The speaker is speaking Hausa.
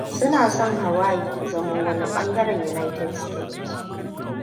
Suna son Hawii ta zamo wani bangaren United Stated.